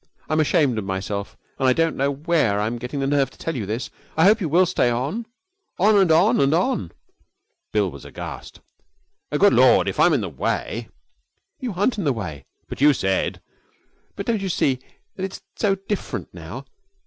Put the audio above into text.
I'm ashamed of myself, and I don't know where I'm getting the nerve to tell you this. I hope you will stay on on and on and on.' Bill was aghast. 'Good Lord! If I'm in the way ' 'You aren't in the way.' 'But you said ' 'But don't you see that it's so different now?